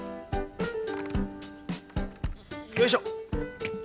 よいしょ。